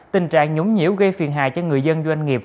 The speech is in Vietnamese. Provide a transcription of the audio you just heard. tình trạng nhúng nhiễu gây phiền hại cho người dân doanh nghiệp